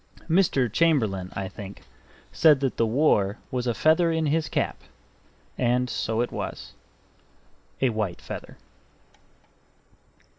Mr. Chamberlain, I think, said that the war was a feather in his cap and so it was: a white feather.